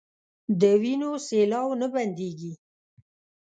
د وينو سېلاوو نه بنديږي